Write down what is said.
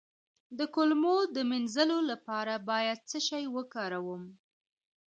د کولمو د مینځلو لپاره باید څه شی وکاروم؟